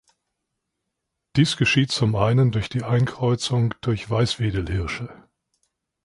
Dies geschieht zum einen durch die Einkreuzung durch Weißwedelhirsche.